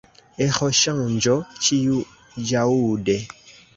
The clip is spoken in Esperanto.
Eĥoŝanĝo ĉiuĵaŭde!